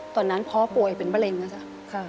ตอนนั้นพ่อป่วยเป็นมะเร็งนะจ๊ะ